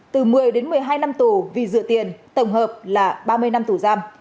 từ một mươi đến một mươi hai năm tù vì dựa tiền tổng hợp là ba mươi năm tù giam